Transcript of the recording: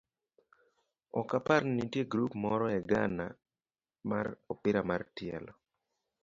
ok apar ni nitie grup moro e gana mar opira mar tielo